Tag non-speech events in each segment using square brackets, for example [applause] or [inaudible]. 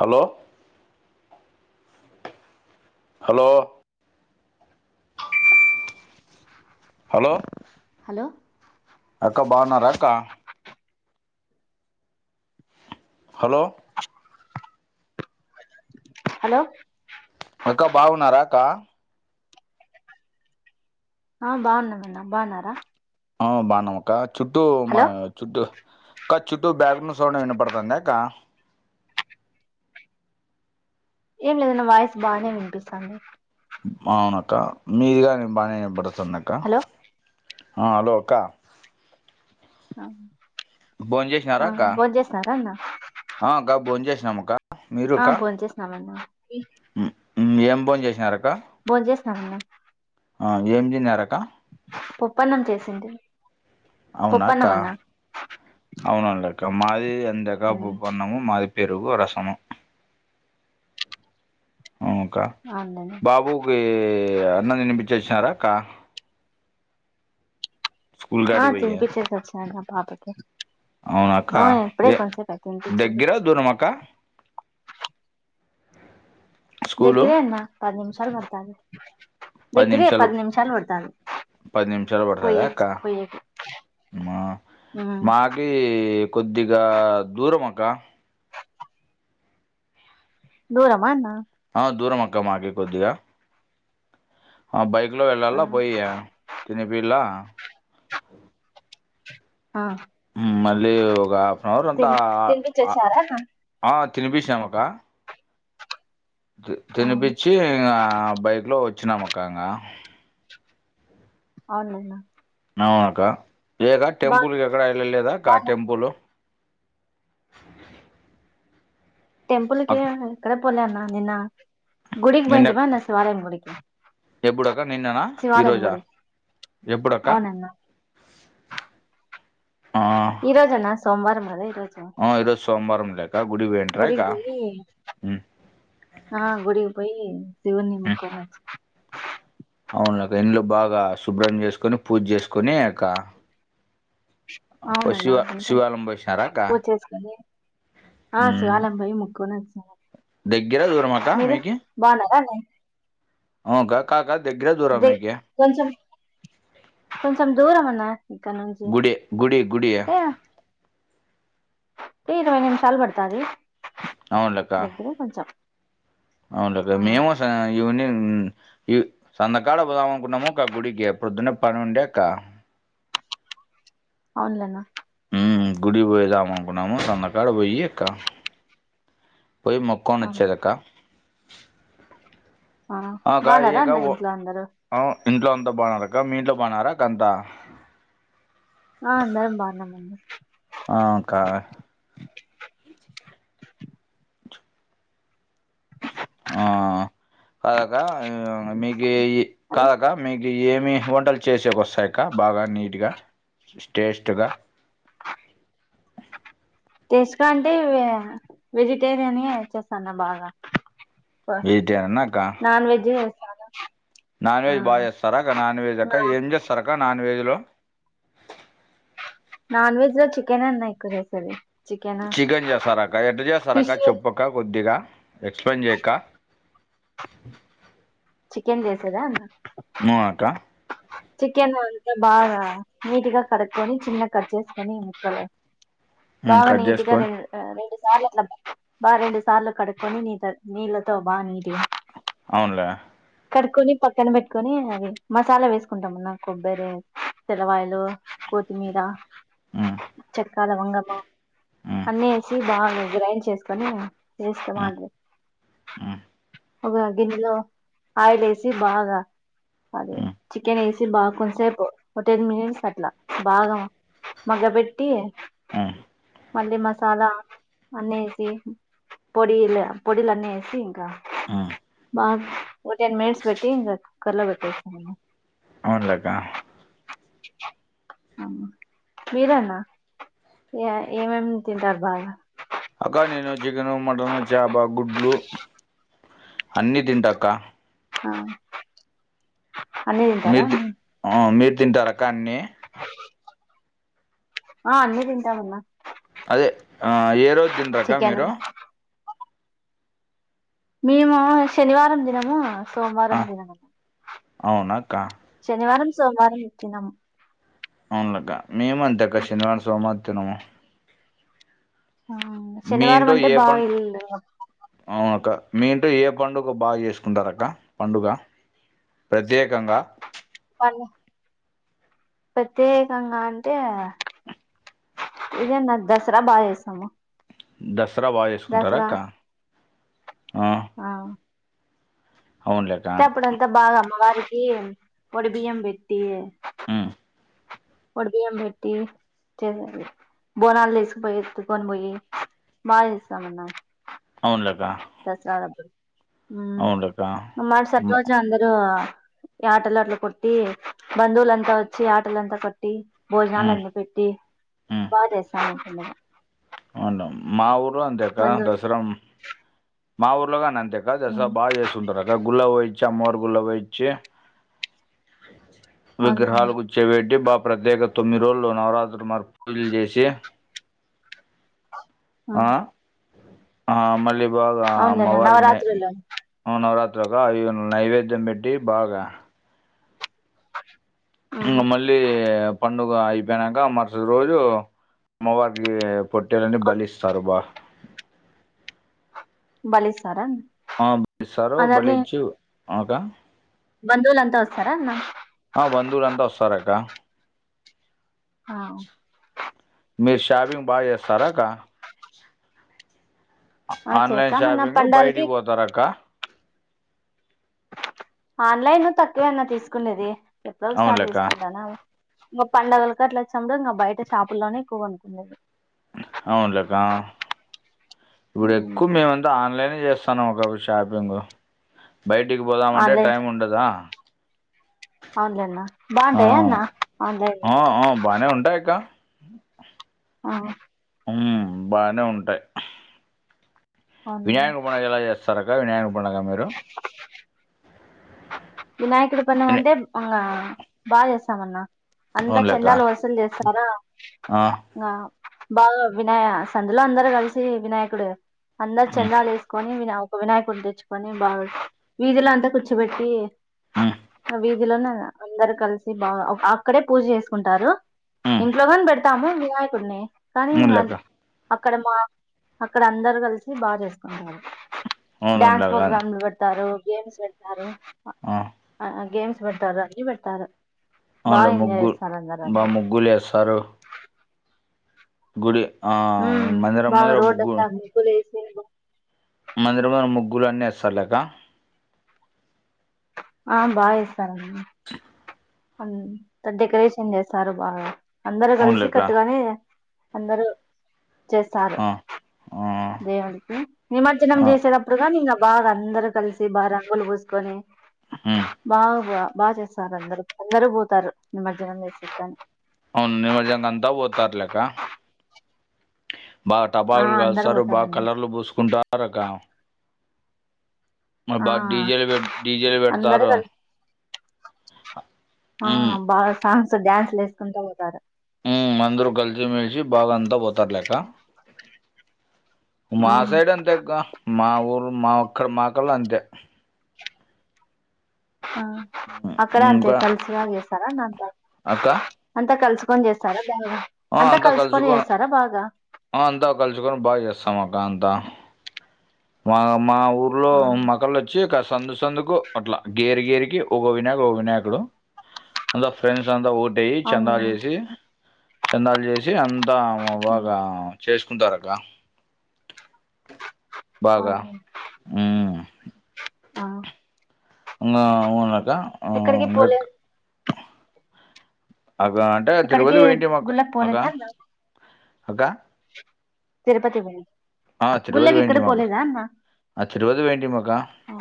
Hello. Hello. Hello. Hello. అక్క బాగున్నారా అక్క. హలో. హలో. అక్క బాగున్నారా అక్క. ఆ బాగున్నాను అన్న బాగున్నారా. ఆ బాగున్నాం అక్క చుట్టూ మా. హలో చుట్టూ అక్క చుట్టూ బ్యాగ్ రౌండ్ సౌండ్ విన పడుతుందా అక్క. ఏం లేదు అన్న వాయిస్ బానే వినిపిస్టాంది అవును అక్క మీది గానే బానే విన బడుతుంది అక్క హలో ఆ హలో అక్క. ఆ భోన్ చేసినారా ఆ అక్క భోన్ చేసిన్నారా అన్న. ఆ అక్క భోన్ చేసినాము అక్క ఆ మీరుక్క. భోన్ చేసినామన్నా ఉం ఏం బోన్ చేసినారు అక్క. భోన్‌ చేసినము అన్న ఆ ఏం తిన్నారు అక్క. పప్పన్నం చేసింది అవునాక్క పప్పన్నం అన్నా అవునాంటక్క [unintelligible] మాది ఎంత అకా పూ పమ మాది పెరుగు రసము అవును అక్క అందనే [unintelligible] బాబుకి అన్నం తినిపించేసినారా అక్క స్కూల్ ఆ కాడికి పోయి తినిపిచేసి వచ్చాను పాపకి అవునాక్క ఆ ఇప్పుడే ఏ కొంతసేపు అయి తినిపించేసి దగ్గర వచ్చి దూరమా అక్క స్కూలు దగ్గిరేన్నా పది నిమిషాలు పడతాది దగ్గరే పది నిమిషాలు పడతాది పది నిమిషాలు పడుతుందా అక్క పయచి పోయ మా మాకి కొద్దిగా దూరం అక్క దూరమా అన్నా ఆ దూరం అక్క మాకి కొద్దిగా ఆ బైక్‌లో వెళ్ళలా పోయి తినిపియల్ల ఆ ఉమ్మ్ మళ్ళీ ఒక హాఫ్ అన్ అవర్ అంతా తిని తినిపించేసారా అన్న ఆ తినిపించినము అక్క తి తినిపిచ్చి ఇంగ బైక్‌లో వచ్చినము అక్క ఇంగ అవును నాయన అవునకా ఏక్క బా టెంపుల్ ఎక్కడ బా ఎళ్ళలేదాక్క టెంపుల్ టెంపుల్‌కి ఎక్కడ పోలే అన్న నిన్న గుడికి పోయింటిమా అన్న శివాలయం గుడికి ఎప్పుడు అక్క నిన్ననా శివాలయం ఈరోజా గుడి ఎప్పుడు అక్క అవునన్న ఆ ఈరోజు అన్న సోమవారం కదా ఈరోజు ఆ ఈరోజు సోమవారం లేక గుడికి పొయింట్రాక్క గుడికి పోయి ఉమ్మ్ ఆ గుడికి పోయి శివుని మొక్కోనొచ్చి అవునులే అక్క ఇండ్లు బాగా శుభ్రం చేసుకొని పూజ చేసుకొని అక అవును అన్న అంతా శివాలయం పోసినారా అక్క పూచేసుకుని ఆ శివాలయం పోయి ముక్కోని వచ్చిన దగ్గర దూరం అక్క మీరు బాగుండారా అన్నాయ్ అవక్క కాదక దగ్గరా దూరమా దే మీకి కొంచెం కొంచెం దూరం అన్న ఇక్కడ నుంచి గుడి గుడి గుడి టే టే ఇరవై నిమిషాలు పడుతది దగ్గరే కొంచెం అవునులేక ఆ మేము సా ఈవినింగ్ ఇ సంతకాడ పోదాము అనుకున్నాము అక్క గుడికి పొద్దున్నే పనుండే అక్క అవునులేన్న మ్మ్ గుడికి పోయేదాం అనుకున్నాము సందాకాడ పోయి అక్క పోయి మొ కోని ఆ వచ్చేదాక్క ఆ అక్క ఏ బాగున్నారా అక్క అన్న ఓ ఇంట్లో అందరూ ఆ ఇంట్లో అంతా బాగున్నారు అక్క మీ ఇంట్లో బాగున్నారాక్క అంతా ఆ అందరం బాగున్నాం అన్న ఆ అక్క ఆ కాదక్కా మీకి అలా కాదక్కా మీ కి ఏమి వంటలు చేసేకి వస్తాయి అక్క బాగా నీట్‌గా స్టేస్ట్‌గా టేస్ట్‌గా అంటే వెజిటేరియన్ అయి చేస్తా అన్న బాగా ప వెజిటేరియన్ అక్క నాన్ వెజ్ చే బాగా నాన్ వెెజ్ బాగా చేస్తారా అక్క నాన్ వెెజ్ అక్క నా- ఏం చేస్తారు అక్క నాన్ వెజ్లో నాన్ వెజ్‌లో చికెన్ అన్నా ఎక్కువ చేసేది చికెన్ చేస్తారాక్క ఎట్టా ఫిష్ చేస్తారక్క చెప్పక్క కొద్దిగా ఎక్స్ప్లెయిన్ చేయక్క చికెన్ చేసేదా అన్న ము అక్క చికెన్ అంత బాగా నీటుగా కడుక్కొని చిన్నగా కట్ చేసుకొని ముక్కలు ఉమ్, బాగా కట్ నీటుగా చేసుకొని రెం రెండు సార్లు అట్లా బా రెండు సార్లు కడుక్కొని నీతో నీళ్ళతో బా నీటిగా అవునులే కడుక్కొని పక్కన పెట్టుకొని అది మసాలా వేసుకుంటాం అన్న కొబ్బరి తెెలవాయలు కొత్తిమీర ఉమ్, చక్కా లవంగము ఉమ్, అన్నీ ఎసి బాగా గ్రైండ్ చేసుకొని పేస్టు ఉమ్, మాదిరి ఉమ్, ఒక గిన్నెలో ఆయిల్ వేసి బాగా అదే ఉమ్, చికెన్ వేసి బాగా కొంతసేపు టెన్ మినిట్స్ అట్లా బాగా మగ్గ పెట్టి హామ్ మళ్ళీ మసాలా అన్నీ ఎసి పొడిల పొడిలన్నీ వేసి ఇంకా ఉమ్. బ ఓ టేన్ మినిట్స్ పెట్టి ఇంకా కుక్కర్లో పెట్టేసుకోవాలి అవునులే అక్క మీరన్న ఏమేం తింటారు బాగా అక్క నేను చికెను మటన్ చప గుడ్లు అన్నీ తింటాక్క ఆ అన్నీ తింటారా ఉ మీరు తింటారా అక్క అన్ని ఆ అన్నీ తింటామన్నా అదే ఏ రోజు తిన్రక్క చికెన్ మీరు మేము శనివారం తినము ఆ, సోమవారం తినము అవునక్క శనివారం సోమవారం ఇక తినం అవునులే అక్క మేము అంతేక్క శనివారం సోమవారం తినము మీ శనివారం ఇంట్లో అంటే ఏ బాగా పండు ఇల్ అవునక్క మీ ఇంట్లో ఏ పండుగ బాగా చేసుకుంటారు అక్క పండుగ ప్రత్యేకంగా పన్ ప్రత్యేకంగా అంటే ఇదేన్న దసరా బాగా చేస్తాము దసరా బాగా చేసుకుంటారా దసరా అక్క ఆ ఆ అవునులే అంటే అప్పుడంతా బాగా అమ్మవారికి ఒడి బియ్యం పెట్టి ఉమ్, ఒడిబియ్యం పెట్టి చే బోనాలు తీసుకొని పోయి కొన్ పోయి బాగా చేస్తామన్న అవునులే అక్క దసరా [unintelligible] మరుసటి ఉమ్, రోజు అందరూ ఈ యాటాలు అంత కొట్టి బంధువులంతా వచ్చి యటలంతా కొట్టి ఉమ్, భోజనలున్నీ పెట్టి బాగా చేస్తానుంటున్నాను అవునవును మా ఊర్లో అంతే అక్క పండుగ దసరా మా ఊర్లోగాని అంతేక్క దసరా బాగా చేస్త చేస్తారా అక్క గుళ్ళ కోయించి అమ్మవారి గుళ్ళ కోయించి విగ్రహాల బంధువులు గు చెపెట్టి బా ప్రత్యేక తొమ్మిది రోజులు నవరాత్రులు మార్ పూజలు చేసి ఆ అవును ఆ మల్ళీ బాగమ్మ అవునులేండి అమ్మవారికినే నవరాత్రులు నవరాత్రి ఒక అవి నైవేద్యం పెట్టి బాగా ఇంకా మళ్ళీ పండుగ అయిపోయినాక మరుసటి రోజు అమ్మ వారికి పొట్టెలని అవును బలిస్తారు బా భలిస్తారా ఆ సరే బలిచ్చు అకా బంధువులంతా వస్తారా అన్న ఆ బంధువులంతా వస్తారు అక్క ఆ మీరు షాపింగ్ బాగా చేస్తారాక్క ఆ ఆన్లైన్ చేస్తామన్న షాపింగ్ పండగలకి బయటికి పోతార అక్క ఆన్లైన్ తక్కువన్నా తీసుకునేది ఎప్పుడో ఒకసారి అవునులేక్క తీసుకుంటానా ఇంకా పండుగల అట్లు వచ్చినపుడు ఇంకా బయట షాపుల్లోనే ఎక్కువగా కొనుకుండది అవునులేక్కా ఇప్పుడు ఎక్కువ మేము ఆన్లైన్ చేస్తాన్నాం ఒక షాపింగ్ బయటికి పోదామంటే ఆన్లైన్ టైం ఉండదా అవునులే అన్న ఆ బాగుంటాయా అన్న ఆన్లైన్ ఆ ఆ బానే ఉంటాయిక్క ఆ హ్మ్ బానే ఉంటాయి అవునులేండి వినాయక పండుగ ఎలా చేస్తారు అక్క వినాయక పండుగ మీరు వినాయకుడు వినా- పండగంటే బా చేస్తాం అన్న అంతా అవునులేక్క చందాలు వసూలు చేస్తారా ఆ బాగా వినాయ సందులో అందరు కలిసి వినాయకుడు అందరు ఉమ్ చందాలు వేసుకొని వినా వినాయకుడిని తెచ్చుకొని బాగు వీధిలంతా కూర్చోబెట్టి ఉమ్ వీధిలోనే అందరు కలిసి బాగా అక్కడే పూజ చేసుకుంటారు ఉమ్ ఇంట్లో కని పెడతాము వినాయకుడిని కానీ ఇంకా అవునులేక్క అక్కడ మా అక్కడ అందరు కలిసి బాగా చేసుకుంటారు డ్యాన్స్ అవునులేక్క ప్రోగ్రామ్లు పెడతారు గేమ్స్ పెడతారు ఆ ఆ గేమ్స్ పెడతారు ఆన్నీ పెడతారు బాగా ఎంజాయ్ చేస్తారు అందరు అక్కడ గులే సారు గుడి ఆ హ్మ్ మందిరం బాగా ముందర రోడ్ ముగ్గు అంతాకు ముగ్గులు వెసి మందిరముంద ముగ్గులన్నీ వేస్తారు కదా ఆ బాగా చేస్తారండి చె డెకరేషన్ చేస్తారు బాగా అందరు కలిసి అవునులేక్క కట్టుగానే అందరూ చేస్తారు ఆ ఆ దేవుడికి నిమజ్జనం ఆ చేసేటప్పుడుగా నికా బాగా అందరు కలిసి బాగా రంగులు పూసుకొని హ్మ్ బాగా బా బాగా చేస్తారు అందరు అందరూ పోతారు నిమజ్జనం చేసేకని అవును నిమజ్జనం అంతా పోతారులేక్కా బాగా ఆ టపాకులు అందరు కలుస్తారు బాగా పోతారండి కలర్లు పూసుకుంటారు అకా ఆ బా డీజెలు పె డీజేలు అందరు పెడతారు కలిసి ఆ ఉమ్ బాగా సాంగ్స్ డ్యాన్స్లు వేసుకుంటా పోతారు అందరూ కలిసి మెలిసి బాగా అంతా పోతారు లేక్కా మా ఉమ్, సైడ్ అంతే అక్కా మా ఊరు మా ఒక్కరు మా కళ్ళ అంతే ఆ అక్కడ అంతే కలిసి వ చేస్తారా అంతా అక్కా అంతా కలుసుకొని చేస్తారా బాగా ఆ అంతా కలుసుకొని కలుసుకో చేస్తారా బాగా అంతా కలుసుకొని బాగా చేస్తాం అక్క అంతా మా మా ఊర్లో ఆ మక్క వచ్చి ఒక సందు సందుకు అట్లా గేరి గేరికి ఒక వినాయక ఒక వినాయకుడు అంత ఫ్రెండ్స్ అంత టయి చందాలు అవునులేండి చేసి చందాలు చేసి అంతా ఉమ్ బాగా చేసుకుంటారక్క బాగా అవునా ఉమ్ ఆ ఆ అవునక్క ఆ, ఎక్కడికి ఇంగ పోలే అక్క అంటే ఎక్కడికి తిరుపతి పోయింటిం గుళ్ళకి అక్క అక్క తిరుపతికి పోయిన్ల గుల్లకి ఎక్కడికి పోలేదా అన్న తిరుపతికి పోయింటిమి అక్క ఆ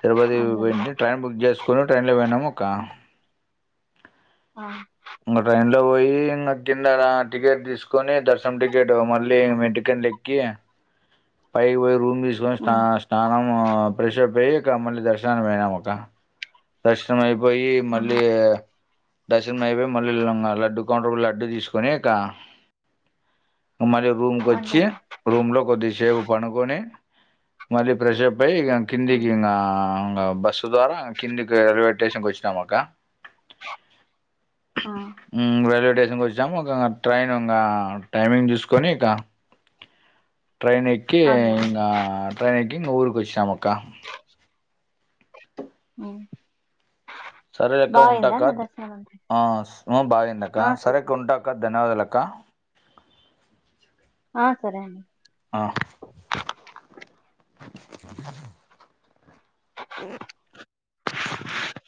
తిరుపతికి అవునులేండి పోయింటే ట్రైన్ బుక్ చేసు కొని ట్రైన్లో పోయినాము అక్క ఆ ఇంక ట్రైన్ లో పోయి ఇంకా కింద టికెట్ తీసుకొని దర్శనం టికెట్ మళ్ళీ మెంటికన్లా ఎక్కి పైకి పోయి రూమ్ తీసు కొని స్నా ఉమ్ స్నానం ఫ్రెషప్ అయి ఇక మళ్ళీ దర్శనానికి పోయినాము అక్క దర్శనం అయిపోయి ఉమ్ మళ్ళీ దర్శనం అయిపోయి మళ్లీ వెళ్లినం లడ్డు కౌంటర్కి పోయి లడ్డు తీసుకొని అక్క మళ్ళీ రూమ్ కి వచ్చి అవునులేండి రూమ్ లో కొద్దిసేపు పండుకొని మళ్ళీ ప్రెషర్ అప్ ఇగ కిందికి ఉమ్ ఇంగ బస్ ద్వారా కిందికి రైల్వే స్టేషన్కి వచ్చానామక్క ఆ ఉమ్ రైల్వే స్టేషన్కి వచ్చాము ఒక ట్రైన్ ఇంకా టైమింగ్ చుసుకొని ఇక ట్రైన్ ఎక్కి అవునులేండి ఇంగ ట్రెన్ ఎక్కి ఇంగ ఊరుకి వచ్చినము అక్క ఆ సరే అక్క ఉంటాక దర్శనం అంతా బాగాందక్క సరే అక్క ఉంటాక ధన్యవాదలక్క ఆ సరే అండి ఆ ఆ